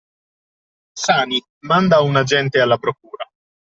Sani, manda un agente alla Procura.